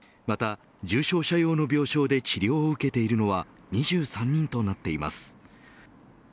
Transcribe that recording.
また重症者ようの病床で治療を受けているのは２３人となっています。